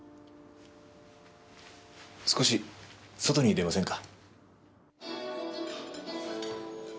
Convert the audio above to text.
少し外に出ませんか？